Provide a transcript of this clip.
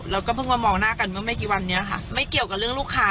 แล้วก็มามองหน้ากันอีกก็เลยทำให้เกิดเรื่องค่ะ